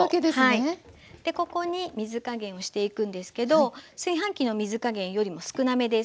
ここに水加減をしていくんですけど炊飯器の水加減よりも少なめです。